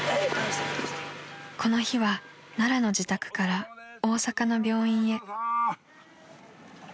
［この日は奈良の自宅から大阪の病院へ］